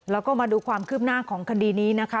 แล้วก็มาดูความคืบหน้าของคดีนี้นะคะ